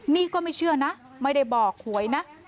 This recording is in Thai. นี่ก็ไม่เชื่อนะไม่ได้บอกหวยนะ